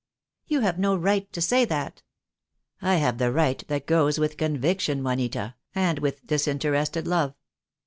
"You have no right to say that." "I have the right that goes with conviction, Juanita, and with disinterested love.